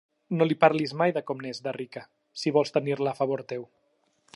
No li parlis mai de com n'és, de rica, si vols tenir-la a favor teu.